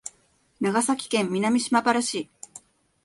長崎県南島原市